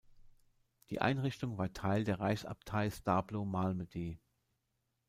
Die Einrichtung war Teil der Reichsabtei Stablo-Malmedy.